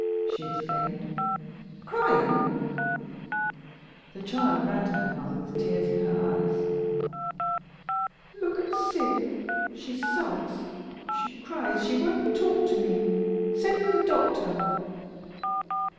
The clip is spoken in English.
she exclaimed, "Crying?" The child ran to her mother with tears in her eyes. "Look at Syd! She sulks; she cries; she won't talk to me send for the doctor."